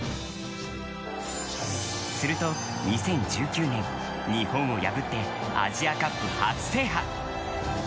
すると２０１９年、日本を破ってアジアカップ初制覇。